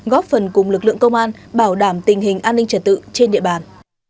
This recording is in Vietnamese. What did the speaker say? góp phần cùng lực lượng công an bảo đảm tình hình an ninh trật tự trên địa bàn